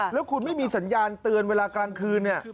แล้วคุณไม่มีสัญญาณเตือนเวลากลางคืนเนี่ย